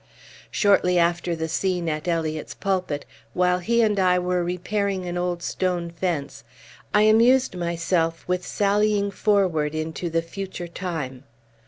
Shortly after the scene at Eliot's pulpit, while he and I were repairing an old stone fence, I amused myself with sallying forward into the future time.